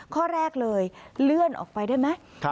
ข้อแรกเลยเลื่อนออกไปได้ไหม